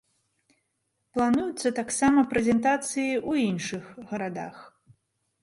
Плануюцца таксама прэзентацыі ў іншых гарадах.